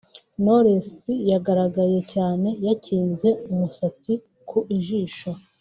Knowless yagaragaye cyane yakinze umusatsi ku jisho